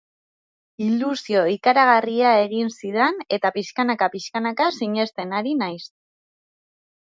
Ilusio ikaragarria egin zidan eta pixkanaka pixkanaka sinesten ari naiz.